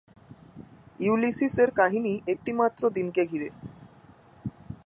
ইউলিসিস-এর কাহিনী একটিমাত্র দিনকে ঘিরে।